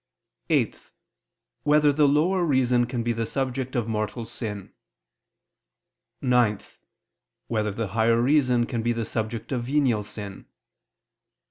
(8) Whether the lower reason can be the subject of mortal sin? (9) Whether the higher reason can be the subject of venial sin?